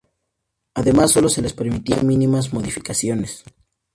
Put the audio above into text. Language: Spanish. Además solo se les permitía mínimas modificaciones.